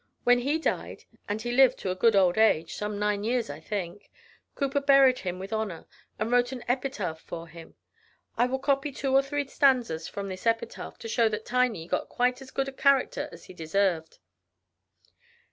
When he died and he lived to a good old age, some nine years, I think Cowper buried him with honor, and wrote an epitaph for him. I will copy two or three stanzas from this epitaph, to show that Tiney got quite as good a character as he deserved.